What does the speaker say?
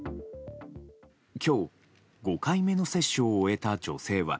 今日５回目の接種を終えた女性は。